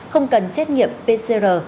không cần xét nghiệm pcr